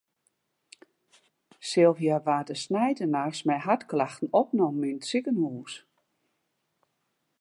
Sylvia waard de sneintenachts mei hartklachten opnommen yn it sikehûs.